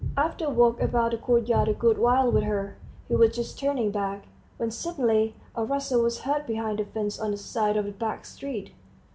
After walking about the courtyard a good while with her, he was just turning back, when suddenly a rustle was heard behind the fence on the side of the back street.